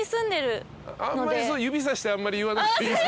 指さしてあんまり言わなくていいんで。